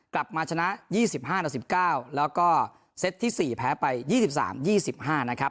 ๒๐๒๕๑๓๒๕กลับมาชนะ๒๕๑๙แล้วก็เซตที่๔แพ้ไป๒๓๒๕นะครับ